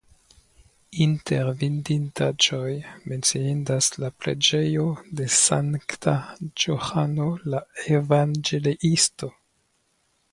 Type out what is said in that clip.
Inter vidindaĵoj menciindas la preĝejo de Sankta Johano la Evangeliisto.